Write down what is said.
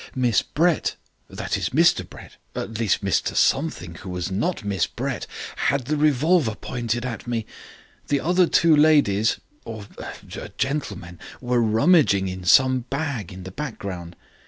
Miss Brett that is, Mr Brett, at least Mr something who was not Miss Brett had the revolver pointed at me. The other two ladies or er gentlemen, were rummaging in some bag in the background.